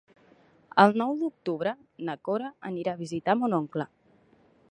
El nou d'octubre na Cora anirà a visitar mon oncle.